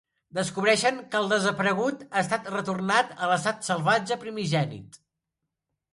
Descobreixen que el desaparegut ha estat retornat a l'estat salvatge primigeni.